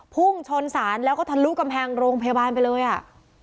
พุ่งชนศาลแล้วก็ทะลุกำแพงโรงพยาบาลไปเลยอ่ะ